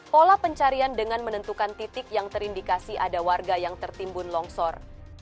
pola pencarian dengan menentukan titik yang terindikasi ada warga yang tertimbun longsor